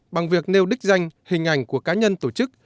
bằng việc nêu đích danh hình ảnh của cá nhân tổ chức